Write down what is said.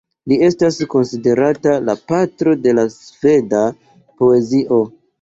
Li estas konsiderata la patro de la sveda poezio.